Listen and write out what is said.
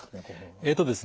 えっとですね